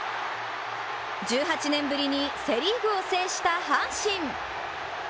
１８年ぶりにセ・リーグを制した阪神。